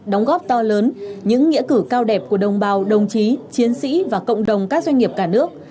đóng góp to lớn những nghĩa cử cao đẹp của đồng bào đồng chí chiến sĩ và cộng đồng các doanh nghiệp cả nước